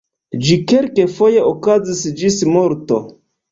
Ĝi kelkfoje okazis ĝis morto.